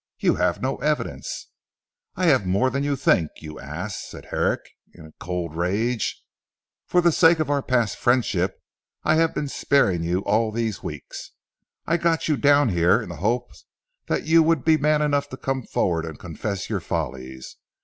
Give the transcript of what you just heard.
"You have no evidence " "I have more than you think of. You ass," said Herrick in a cold rage, "for the sake of our past friendship I have been sparing you all these weeks. I got you down here in the hope that you would be man enough to come forward and confess your follies.